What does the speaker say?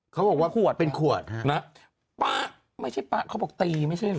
เขาบอกว่าขวดเป็นขวดฮะนะป๊ะไม่ใช่ป๊ะเขาบอกตีไม่ใช่เหรอ